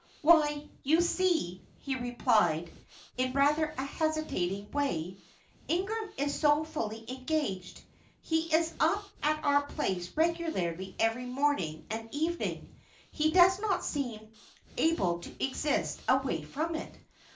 "Why, you see," he replied, in rather a hesitating way, "Ingram is so fully engaged. He is up at our place regularly every morning and evening. He does not seem able to exist away from it.